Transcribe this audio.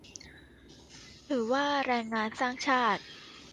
ถือว่าแรงงานสร้างชาติ